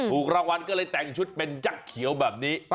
ถูกรางวัลก็เลยแต่งชุดเป็นยักษ์เขียวแบบนี้